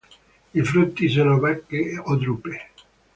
I frutti sono bacche o drupe.